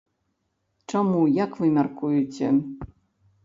Чаму, як вы мяркуеце?